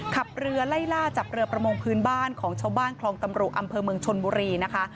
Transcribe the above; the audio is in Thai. ขับเรือไล่ล่าจับเรือประมงพื้นบ้านของชาวบ้านคลองตำรุอำเภอเมืองชนบุรีนะคะ